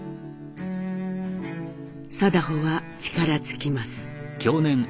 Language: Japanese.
禎穗は力尽きます。